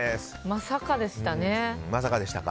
まさかでしたね。